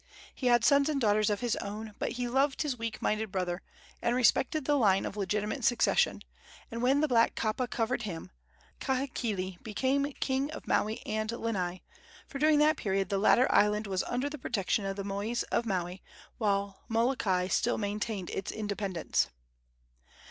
He had sons and daughters of his own; but he loved his weak minded brother, and respected the line of legitimate succession, and when the black kapa covered him, Kahekili became king of Maui and Lanai; for during that period the latter island was under the protection of the mois of Maui, while Molokai still maintained its independence.